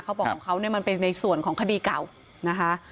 เขาบอกว่ามันเป็นในส่วนของคดีเก่านะคะ